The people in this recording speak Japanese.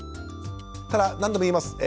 ただ何度も言います。